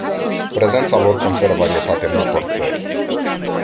Prezența lor conferă varietate multor țări.